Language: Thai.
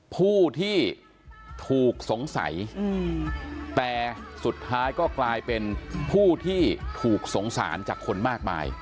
ผู้ที่ถูกสงสัยแต่สุดท้ายก็กลายเป็นผู้ที่ถูกสงสารจากคนมากมาย